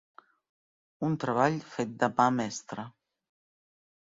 Un treball fet de mà mestra.